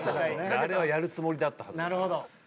あれはやるつもりだったはず。